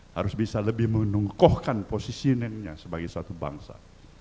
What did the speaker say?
harus bisa lebih menungkohkan posisinya sebagai satu bangsa